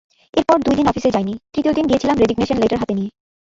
এরপর দুই দিন অফিসে যাইনি, তৃতীয় দিন গিয়েছিলাম রেজিগনেশন লেটার হাতে নিয়ে।